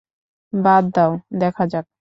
বাদ দাউ, দেখা যাক।